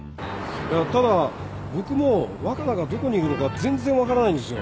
いやただ僕も若菜がどこにいるのか全然分からないんですよ。